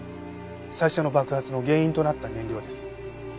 最初の爆発の原因となった燃料です。